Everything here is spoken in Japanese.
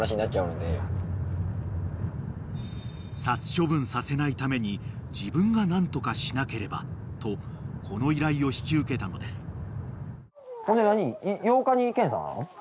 ［殺処分させないために自分が何とかしなければとこの依頼を引き受けたのです］